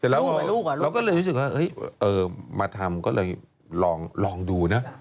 เราก็เลยรู้สึกว่ามาทำก็เลยลองดูนะ